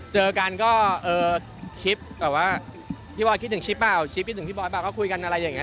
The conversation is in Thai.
เจอกันก็เออคลิปแบบว่าพี่บอยคิดถึงชิปเปล่าชิปคิดถึงพี่บอยป่ะก็คุยกันอะไรอย่างนี้